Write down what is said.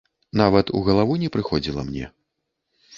Нават у галаву не прыходзіла мне.